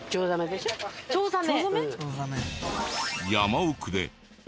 チョウザメ！